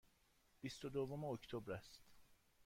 بیست و دوم اکتبر است.